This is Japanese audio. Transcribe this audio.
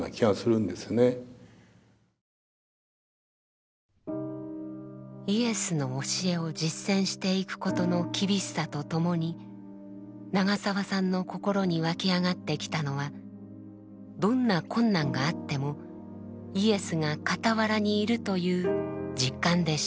だからイエスの教えを実践していくことの厳しさとともに長澤さんの心に湧き上がってきたのはどんな困難があってもイエスが傍らにいるという実感でした。